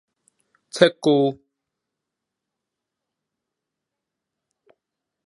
竊據